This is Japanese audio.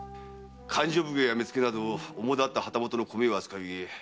勘定奉行や目付など主だった旗本の米を扱うゆえ